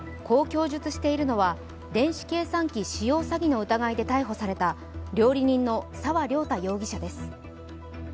こう供述しているのは、電子計算機使用詐欺の疑いで逮捕された料理人の沢涼太容疑者です。